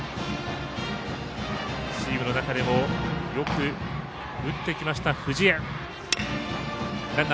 チームの中でもよく打ってきました、藤江。